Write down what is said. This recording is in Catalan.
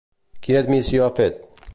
Quina admissió ha fet?